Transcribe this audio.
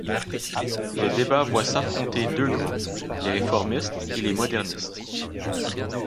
Le débat voit s'affronter deux groupes, les réformistes et les modernistes.